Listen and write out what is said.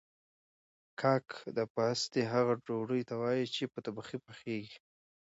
کاک د پاستي هغې ډوډۍ ته وايي چې په تبخي پخیږي